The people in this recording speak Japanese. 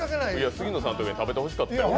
杉野さんとかに食べてほしかった。